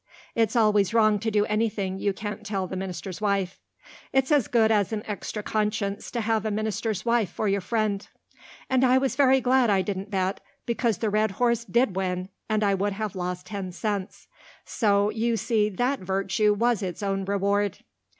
It's always wrong to do anything you can't tell the minister's wife. It's as good as an extra conscience to have a minister's wife for your friend. And I was very glad I didn't bet, because the red horse did win, and I would have lost ten cents. So you see that virtue was its own reward.